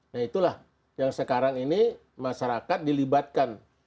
nah itulah yang sekarang ini masyarakat dilibatkan